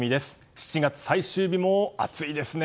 ７月最終日も暑いですね。